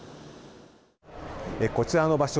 こちらの場所